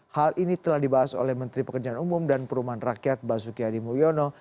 hal ini telah dibahas oleh menteri pekerjaan umum dan perumahan rakyat basuki hadi mulyono